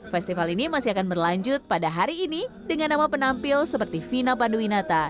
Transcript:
festival ini masih akan berlanjut pada hari ini dengan nama penampil seperti vina panduwinata